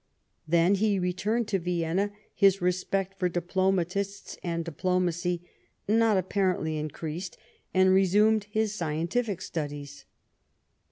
Then he returned to Vienna, his respect for diplomatists and diplomacy not apparently increased, and resumed his scientific studies.